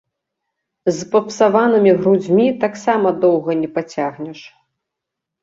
З папсаванымі грудзьмі таксама доўга не пацягнеш.